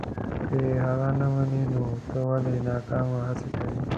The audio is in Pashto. که یې هغه نه مني نو ته ولې ناکامه هڅه کوې.